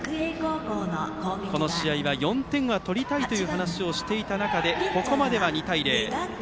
この試合は４点は取りたいという話をしていた中でここまでは２対０。